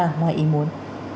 ngoài ý muốn